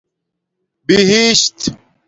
بہشت